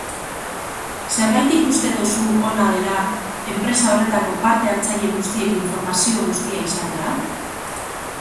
Zergatik uste duzu ona dela enpresa horretako parte hartzaile guztiek informazio guztia izatea?